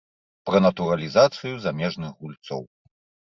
Пра натуралізацыю замежных гульцоў.